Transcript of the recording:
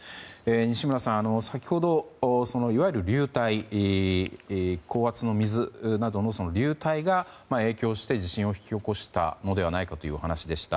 西村さん、先ほど高圧の水などの流体が影響して、地震を引き起こしたのではないかというお話でした。